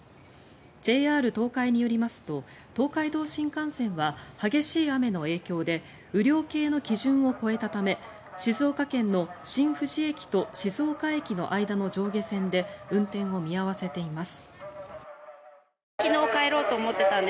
ＪＲ東海によりますと東海道新幹線は激しい雨の影響で雨量計の基準を超えたため静岡県の新富士駅と静岡駅の間の上下線で運転を見合わせています。